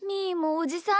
おじさん！